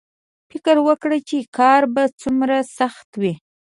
فکر وکړه چې کار به څومره سخت وي